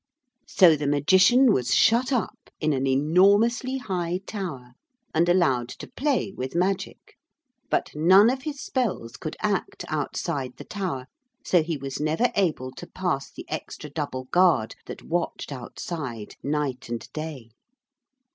So the Magician was shut up in an enormously high tower, and allowed to play with magic; but none of his spells could act outside the tower so he was never able to pass the extra double guard that watched outside night and day.